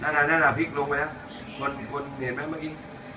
น่าฟักลงไปแล้วคนเห็นไหมเมื่อกี้